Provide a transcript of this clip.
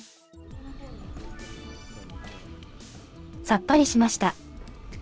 さっぱりしました。